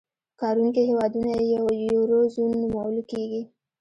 کاروونکي هېوادونه یې یورو زون نومول کېږي.